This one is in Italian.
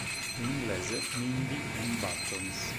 In inglese "Mindy and Buttons".